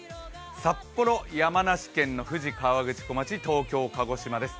札幌、山梨県の富士河口湖町、東京、鹿児島です。